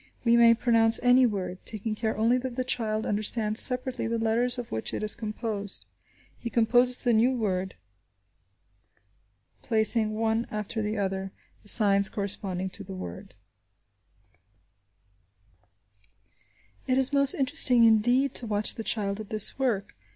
We may pronounce any word, taking care only that the child understands separately the letters of which it is composed. He composes the new word, placing, one after the other, the signs corresponding to the sounds. It is most interesting indeed to watch the child at this work.